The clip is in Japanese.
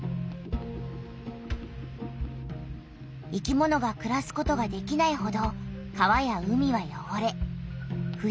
生きものがくらすことができないほど川や海はよごれふ